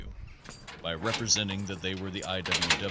W. W. By representing that they were the I.